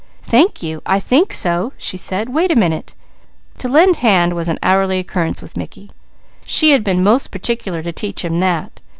"Thank you! I think so," she said. "Wait a minute!" To lend help was an hourly occurrence with Mickey. She had been most particular to teach him that.